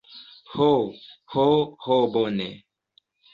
Ho, ho, ho bone.